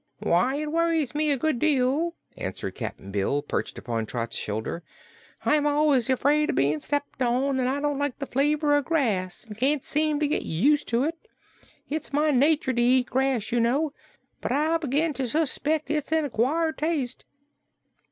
"Why, it worries me good deal," answered Cap'n Bill, perched upon Trot's shoulder. "I'm always afraid o' bein' stepped on, and I don't like the flavor of grass an' can't seem to get used to it. It's my nature to eat grass, you know, but I begin to suspect it's an acquired taste."